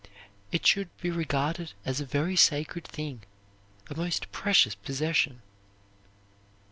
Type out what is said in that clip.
It should be regarded as a very sacred thing, a most precious possession.